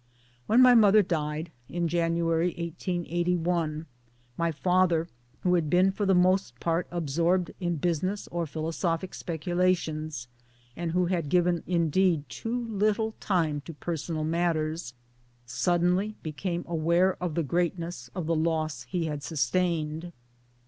When my mother died (in January 1881) my father who had been for the most part absorbed in business or philosophic speculations, and who had given indeed too little time to personal matters suddenly became aware of the greatness of the loss he had sustained'.